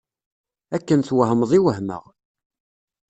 Akken twehmeḍ i wehmeɣ.